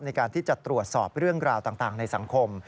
ในการที่จะตรวจสอบเรื่องราวต่างในสังคม